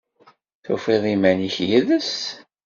Tufiḍ iman-ik yid-s?